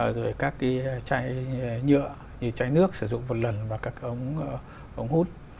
rồi các chai nhựa như chai nước sử dụng một lần và các ống hút